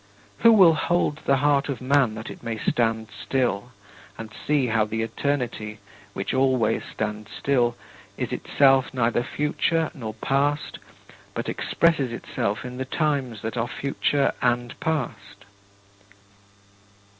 Who will hold the heart of man that it may stand still and see how the eternity which always stands still is itself neither future nor past but expresses itself in the times that are future and past?